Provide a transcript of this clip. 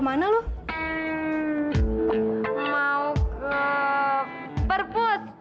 mau ke perput